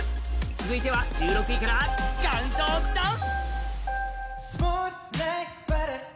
続いては１６位からカウントダウン！